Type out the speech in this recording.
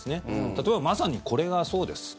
例えば、まさにこれがそうです。